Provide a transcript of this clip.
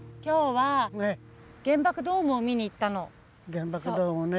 原爆ドームね。